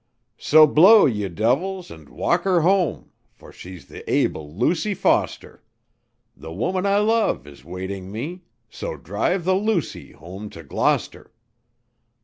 "So blow, ye devils, and walk her home For she's the able Lucy Foster. The woman I love is waiting me, So drive the Lucy home to Gloucester.